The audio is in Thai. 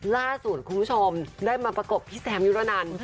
ล่าสุดคุณผู้ชมได้มาประกบพี่แซมยุรนัน